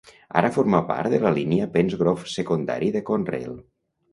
Ara forma part de la línia Penns Grove Secondary de Conrail.